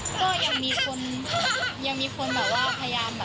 ก็ยังมีคนพยายามไม่ให้เขาเขียนอะไรประมาณนี้